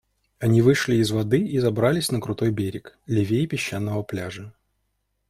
Они вышли из воды и забрались на крутой берег, левей песчаного пляжа.